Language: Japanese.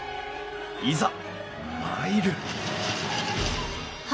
いざ参る！